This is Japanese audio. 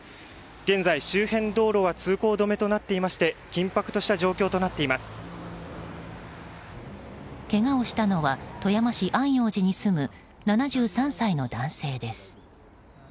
現在、周辺道路は通行止めとなっていまして緊迫した状況とけがをしたのは富山市安養寺に住む７３歳の男性です。